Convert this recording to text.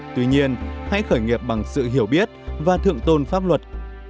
tuy nhiên hãy khởi nghiệp bằng sự hiểu biết và thượng tôn pháp luật